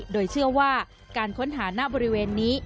โดยเชื่อว่าการค้นหาณบริเวณนี้